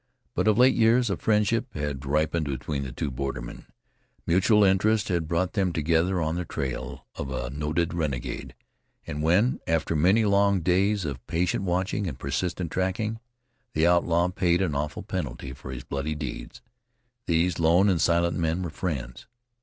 But of late years a friendship had ripened between the two bordermen. Mutual interest had brought them together on the trail of a noted renegade, and when, after many long days of patient watching and persistent tracking, the outlaw paid an awful penalty for his bloody deeds, these lone and silent men were friends.